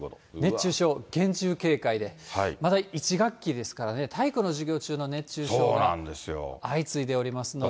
熱中症、厳重警戒で、まだ１学期ですからね、体育の授業中の熱中症が相次いでおりますので。